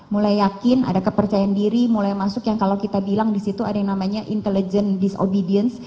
mulai yakin ada kepercayaan diri mulai masuk yang kalau kita bilang di situ ada yang namanya intelligence disobedience